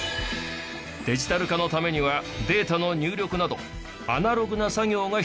デジタル化のためにはデータの入力などアナログな作業が必要。